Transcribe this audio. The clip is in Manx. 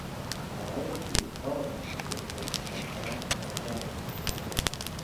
Cha row eh feer foddey gys haink shiolteyr er-gerrey.